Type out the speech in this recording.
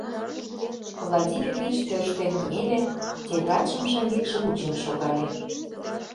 — Владимир Ильич тӧрштен кынеле, тетрадьшым шеҥгекше кучен шогале.